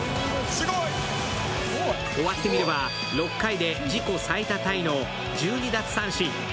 終わってみれば、６回で自己最多タイの１２奪三振。